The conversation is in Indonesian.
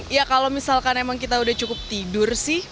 ya kalau misalkan emang kita udah cukup tidur sih